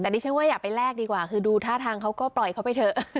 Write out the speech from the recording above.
แต่ดิฉันว่าอย่าไปแลกดีกว่าคือดูท่าทางเขาก็ปล่อยเขาไปเถอะ